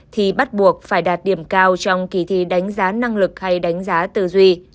thì bắt buộc phải đạt điểm cao trong kỳ thi đánh giá năng lực hay đánh giá tư duy